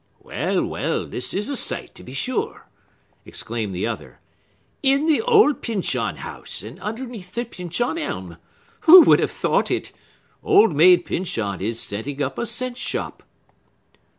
"Well, well, this is a sight, to be sure!" exclaimed the other. "In the old Pyncheon House, and underneath the Pyncheon Elm! Who would have thought it? Old Maid Pyncheon is setting up a cent shop!"